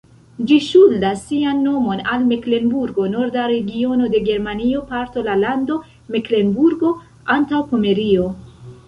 Ĝi ŝuldas sian nomon al Meklenburgo, norda regiono de Germanio, parto la lando Meklenburgo-Antaŭpomerio.